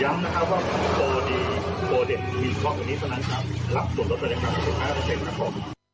ย้ำว่าโบดีโบเดคมียุคตอนนี้เท่านั้นครับ